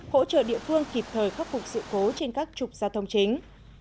hỗ trợ địa phương kịp thời khắc phục sự cố trên các trục giao thông chính